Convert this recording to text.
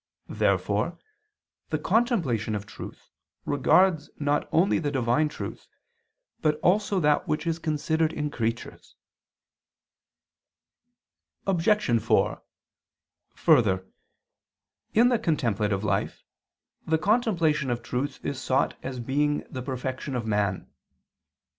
Therefore the contemplation of truth regards not only the divine truth, but also that which is considered in creatures. Obj. 4: Further, in the contemplative life the contemplation of truth is sought as being the perfection of man.